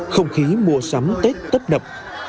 không khí mùa sắm tết tấp nập